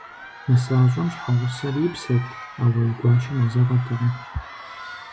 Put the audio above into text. НысащӀэм щхьэгъусэр и псэт, ауэ и гуащэм езэгъыртэкъым.